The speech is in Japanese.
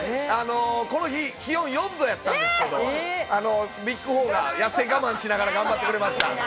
この日、気温４度やったんですけど、ビッグ４がやせ我慢しながら頑張ってくれました。